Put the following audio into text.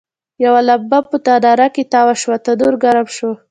یوه لمبه په تناره کې تاوه شوه، تنور ګرم شو.